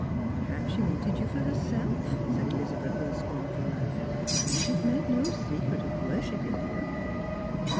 " Perhaps she wanted you for herself," said Elizabeth, with a scornful laugh, " She has made no secret of worshipping you."